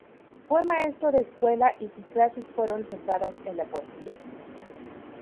Fue maestro de escuela y sus clases fueron centradas en la poesía.